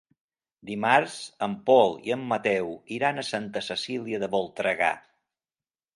Dimarts en Pol i en Mateu iran a Santa Cecília de Voltregà.